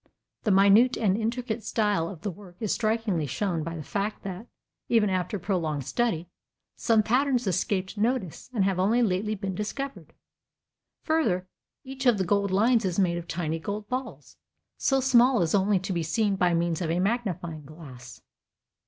The minute and intricate style of the work is strikingly shown by the fact that, even after prolonged study, some patterns escaped notice and have only lately been discovered. Further, each of the gold lines is made of tiny gold balls, so small as only to be seen by means of a magnifying glass.